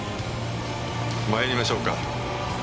まいりましょうか。